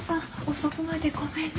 遅くまでごめんね。